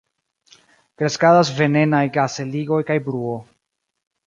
Kreskadas venenaj gas-eligoj kaj bruo.